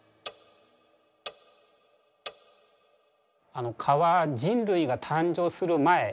あの蚊は人類が誕生する前